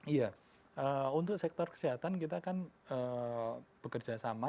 iya untuk sektor kesehatan kita kan bekerja sama